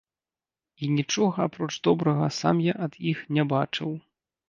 І нічога, апроч добрага, сам я ад іх не бачыў.